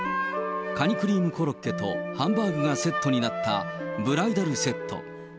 カニクリームコロッケとハンバーグがセットになったブライダルセット。